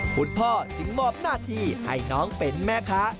คุณพ่อจึงมอบหน้าที่ให้น้องเป็นแม่ค้า